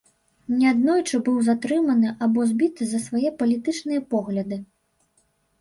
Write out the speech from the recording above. Неаднойчы быў затрыманы або збіты за свае палітычныя погляды.